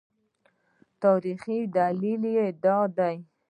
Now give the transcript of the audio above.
تاریخي دلیل یې دا دی.